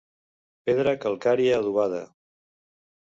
Pedra calcària adobada.